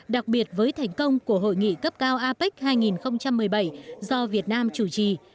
đặc biệt với thành công của hội nghị cấp cao apec hai nghìn một mươi bảy do việt nam chủ trì